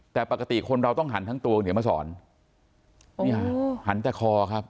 แต่ปกติคนเราต้องหันทั้งตัวคุณเดี๋ยวมาสอนนี่ฮะหันแต่คอครับ